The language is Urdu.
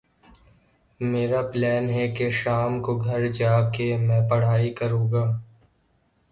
میرا پلین ہے کہ شام کو گھر جا کے میں پڑھائی کرو گا۔